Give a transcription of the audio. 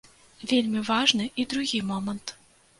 Вельмі важны і другі момант.